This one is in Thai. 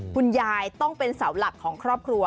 คุณยายต้องเป็นเสาหลักของครอบครัว